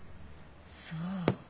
そう。